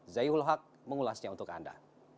zaiul haq mengulasnya untuk anda